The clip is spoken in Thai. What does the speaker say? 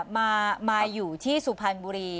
มาอยู่ที่สุพรรณบุรี